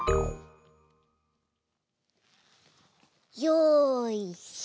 よいしょ！